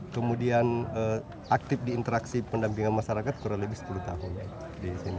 kemudian aktif di interaksi pendampingan masyarakat kurang lebih sepuluh tahun